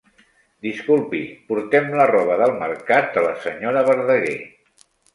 Disculpi, portem la roba del mercat de la senyora Verdaguer.